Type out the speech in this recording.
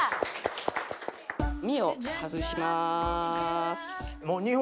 身を外します。